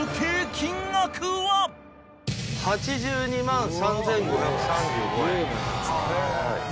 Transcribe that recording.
８２万３，５３５円。